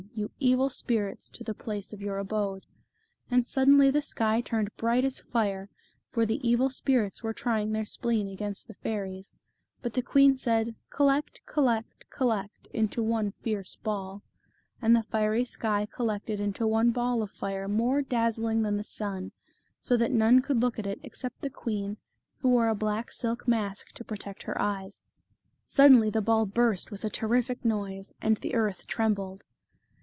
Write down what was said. you evil spirits, to the place of your abode," and suddenly the sky turned bright as fire, for the evil spirits were trying their 38 The Fairy of the Dell. spleen against the fairies, but the queen said, "Collect, collect, collect, into one fierce ball," and the fiery sky collected into one ball of fire more dazzling than the sun, so that none could look at it except the queen, who wore a black silk mask to protect her eyes. Suddenly the ball burst with a terrific noise, and the earth trembled.